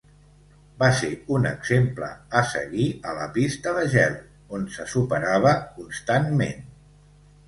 Va ser un exemple a seguir a la pista de gel, on se superava constantment.